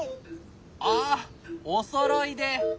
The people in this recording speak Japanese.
あっおそろいで！